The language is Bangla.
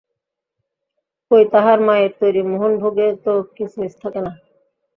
কই তাহার মায়ের তৈরি মোহনভোগে তো কিসমিস থাকে না?